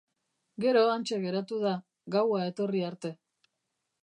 Gero hantxe geratu da, gaua etorri arte.